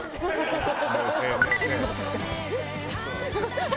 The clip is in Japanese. ハハハハ！